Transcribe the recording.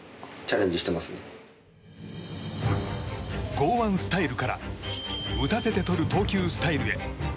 剛腕スタイルから打たせてとる投球スタイルへ。